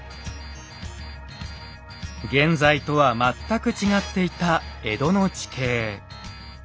現在とは全く違っていた江戸の地形。